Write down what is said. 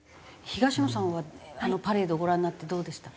東野さんはあのパレードをご覧になってどうでした？